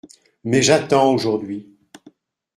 Mais j’attends, aujourd’hui…